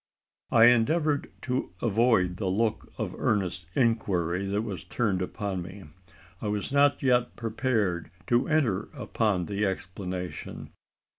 I endeavoured to avoid the look of earnest inquiry that was turned upon me. I was not yet prepared to enter upon the explanation.